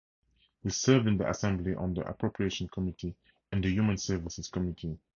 He served in the Assembly on the Appropriations Committee and the Human Services Committee.